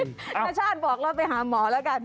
ถ้าชาติบอกเราไปหาหมอแล้วกัน